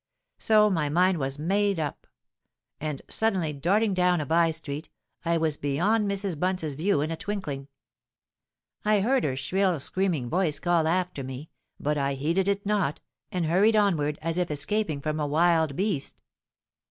So my mind was made up; and suddenly darting down a bye street, I was beyond Mrs. Bunce's view in a twinkling. I heard her shrill, screaming voice call after me; but I heeded it not—and hurried onward, as if escaping from a wild beast.